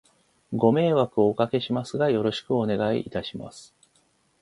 ご迷惑をお掛けしますが、よろしくお願いいたします。